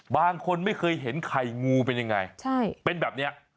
บางคนไม่เคยเห็นไข่งูเป็นยังไงเป็นแบบนี้